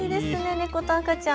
猫と赤ちゃん。